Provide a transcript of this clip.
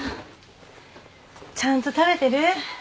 ちゃんと食べてる？